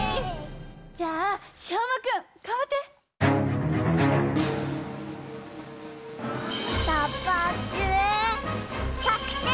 じゃあしょうまくんがんばって！